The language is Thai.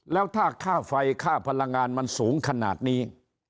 แล้วถ้าค่าไฟค่าพลังงานมันสูงขนาดนี้